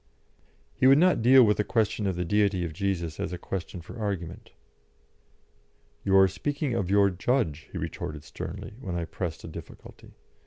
He would not deal with the question of the Deity of Jesus as a question for argument. "You are speaking of your Judge," he retorted sternly, when I pressed a difficulty.